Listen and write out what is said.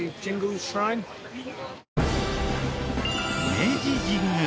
明治神宮。